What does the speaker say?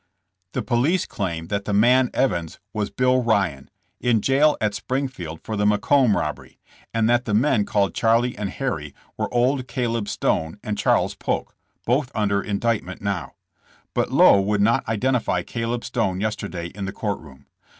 The police claim that the man Evans was Bill Ryan, in jail at Springfield for the Macomb rob bery, and that the men called Charlie and Harry were old Caleb Stone and Charles Polk, both under indictment now. But Lowe would not identify Caleb Stone yesterday in the court room.